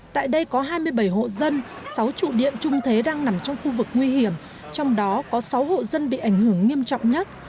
tại đây có hai mươi bảy hộ dân sáu trụ điện trung thế đang nằm trong khu vực nguy hiểm trong đó có sáu hộ dân bị ảnh hưởng nghiêm trọng nhất